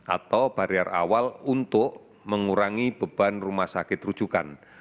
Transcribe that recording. atau barier awal untuk mengurangi beban rumah sakit rujukan